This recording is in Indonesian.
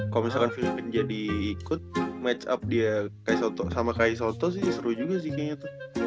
kalau misalkan filming jadi ikut match up dia kayak sama kayak soto sih seru juga sih kayaknya tuh